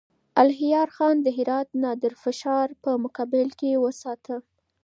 الهيار خان هرات د نادرافشار په مقابل کې وساته.